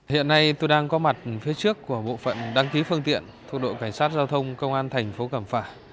hiện nay tôi đang có mặt phía trước của bộ phận đăng ký phương tiện thuộc đội cảnh sát giao thông công an thành phố cẩm phả